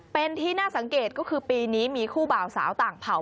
เป็นที่น่าสังเกตก็คือปีนี้มีคู่บ่าวสาวต่างเผ่า